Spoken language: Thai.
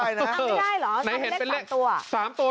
ทำไม่ได้เหรอทำให้เลข๓ตัว